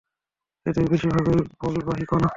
এদের বেশির ভাগই বলবাহী কণা।